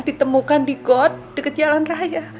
ditemukan di got dekat jalan raya